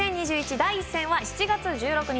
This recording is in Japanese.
第１戦は７月１６日